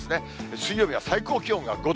水曜日は最高気温が５度。